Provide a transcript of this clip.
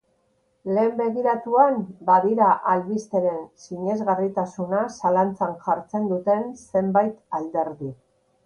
Lehen begiratuan, badira albisteren sinesgarritasuna zalantzan jartzen duten zenbait alderdi.